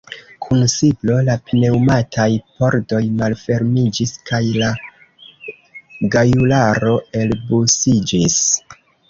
Kun siblo la pneŭmataj pordoj malfermiĝis kaj la gajularo elbusiĝis.